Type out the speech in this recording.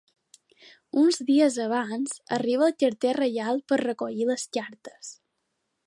Uns dies abans, arriba el carter reial per recollir les cartes.